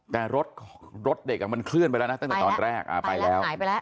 แต่รถรถเด็กอ่ะมันเคลื่อนไปแล้วนะตั้งแต่ตอนแรกไปแล้วหายไปแล้ว